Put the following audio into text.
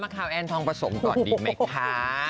มาข่าวแอนทองประสงค์ก่อนดีไหมคะ